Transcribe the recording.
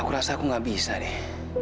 aku rasa aku gak bisa deh